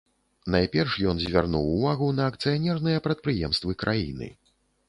Найперш ён звярнуў увагу на акцыянерныя прадпрыемствы краіны.